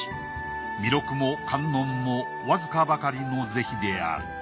弥勒も観音もわずかばかりの是非である。